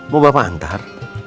mau bapak antar